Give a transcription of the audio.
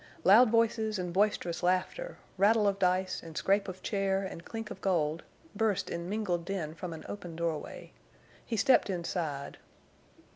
Loud voices and boisterous laughter, rattle of dice and scrape of chair and clink of gold, burst in mingled din from an open doorway. He stepped inside.